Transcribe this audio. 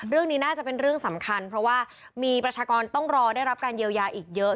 เรื่องนี้น่าจะเป็นเรื่องสำคัญเพราะว่ามีประชากรต้องรอได้รับการเยียวยาอีกเยอะ